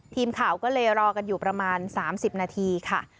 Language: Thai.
ทีมข่าวก็เลยรอกันอยู่ประมาณ๓๐นาทีค่ะ